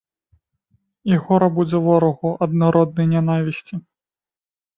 І гора будзе ворагу ад народнай нянавісці!